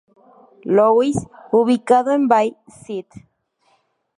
Louis, ubicado en Bay St.